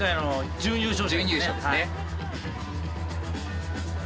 準優勝ですね。